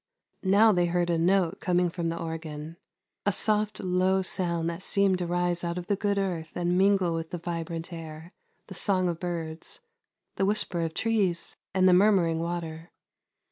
Now they heard a note come from the organ — a soft low sound that seemed to rise out of the good earth THE GOLDEN PIPES 319 and mingle with the vibrant air, the song of birds, the whisper of trees, and the murmuring water.